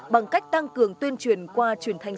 bằng cách tăng cường tuyên truyền qua truyền thống